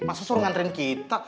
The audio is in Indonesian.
masa suruh ngantrin kita